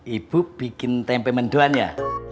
ibu bikin tempe menduan ya